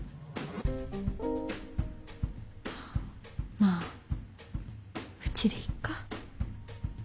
まあうちでいっか。